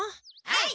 はい！